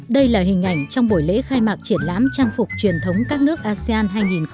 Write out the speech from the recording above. đây là hình ảnh trong buổi lễ khai mạc triển lãm trang phục truyền thống các nước asean hai nghìn hai mươi